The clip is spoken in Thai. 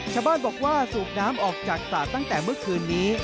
ชาวบ้านบอกว่าสูบน้ำออกจากสระตั้งแต่เมื่อคืนนี้